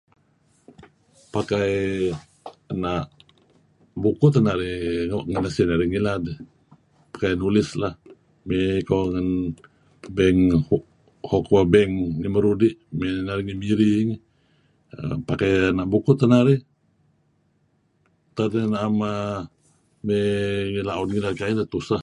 Pakai... ena' ... bukuh teh narih ngen esin narih ngilad. Pakai nulis lah. Mey iko ngen ebeng, Hock Hua Beng ngih Marudi', mey neh narih ngih Miri ngih. Pakai bukuh teh narih. Tak dih na'em err... mey ngih la'ud ngilad, tuseh.